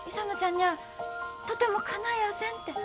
にゃあとても、かなやあせんて。